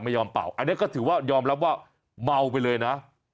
เป่าอันนี้ก็ถือว่ายอมรับว่าเมาไปเลยนะ